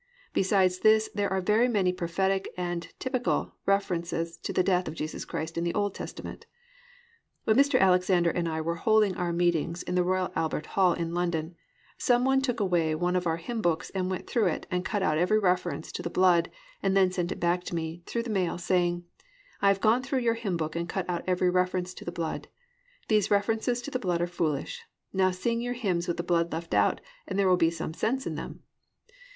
Besides this there are very many prophetic and typical references to the death of Jesus Christ in the Old Testament._ When Mr. Alexander and I were holding our meetings in the Royal Albert Hall in London, some one took away one of our hymn books and went through it and cut out every reference to the blood, and then sent it back to me through the mail, saying, "I have gone through your hymn book and cut out every reference to the blood. These references to the blood are foolish. Now sing your hymns with the blood left out and there will be some sense in them."